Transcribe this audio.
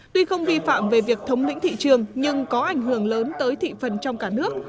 tuy không vi phạm về việc thống lĩnh thị trường nhưng có ảnh hưởng lớn tới thị phần trong cả nước